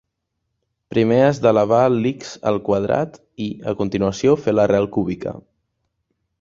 Primer has d'elevar l'x al quadrat i, a continuació, fer l'arrel cúbica.